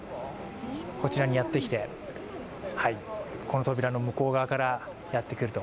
こちらにやってきて、この扉の向こう側からやってくると。